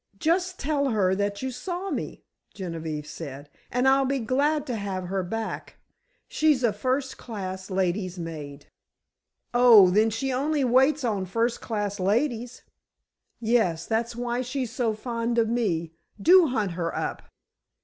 "Just tell her that you saw me," Genevieve said, "and I'll be glad to have her back. She's a first class ladies' maid." "Oh, then she only waits on first class ladies?" "Yes; that's why she's so fond of me. Do hunt her up."